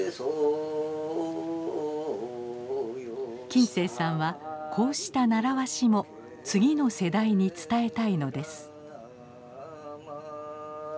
金星さんはこうした習わしも次の世代に伝えたいのです。